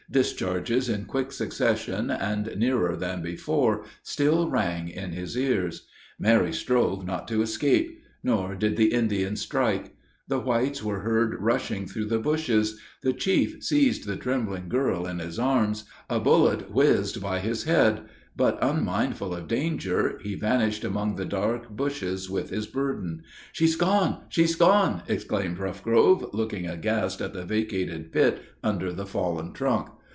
Discharges in quick succession, and nearer than before, still rang in his ears. Mary strove not to escape. Nor did the Indian strike. The whites were heard rushing through the bushes the chief seized the trembling girl in his arms a bullet whizzed by his head but, unmindful of danger, he vanished among the dark bushes with his burden. "She's gone! she's gone!" exclaimed Roughgrove, looking aghast at the vacated pit under the fallen trunk.